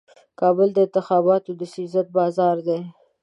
کابل د انتخاباتو د سیزن بازار دی.